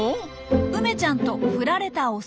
梅ちゃんと振られたオス。